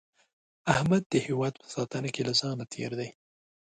احمد د هیواد په ساتنه کې له ځانه تېر دی.